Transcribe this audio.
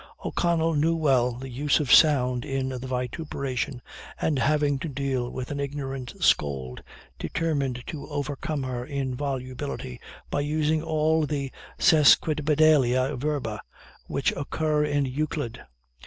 O'Connell knew well the use of sound in the vituperation, and having to deal with an ignorant scold, determined to overcome her in volubility, by using all the sesquipedalia verba which occur in Euclid.